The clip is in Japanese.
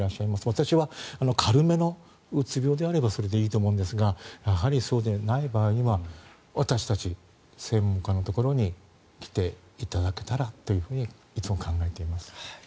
私は軽めのうつ病であればそれでいいと思うんですがやはりそうではない場合は私たち専門家のところに来ていただけたらといつも考えております。